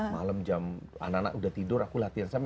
malem jam anak anak udah tidur aku latihan